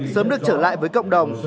sớm được trở lại với cộng đồng